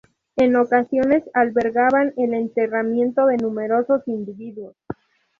En ocasiones albergaban el enterramiento de numerosos individuos.